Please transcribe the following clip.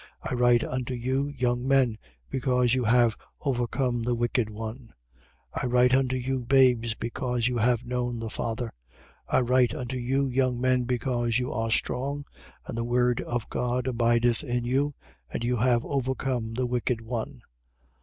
I write unto you, young men, because you have overcome the wicked one. 2:14. I write unto you, babes, because you have known the Father. I write unto you, young men, because you are strong, and the word of God abideth in you, and you have overcome the wicked one.